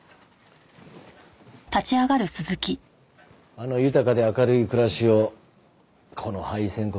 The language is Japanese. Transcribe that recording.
あの豊かで明るい暮らしをこの敗戦国